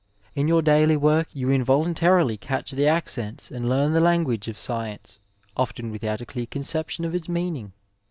In your daily work you involuntarily catch the accents and learn the language of science, often without a dear conception of its meaning.